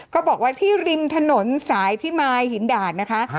ก็บอกว่าที่ริมถนนสายพิมายหินด่านนะคะ